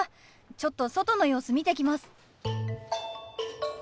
ちょっと外の様子見てきます。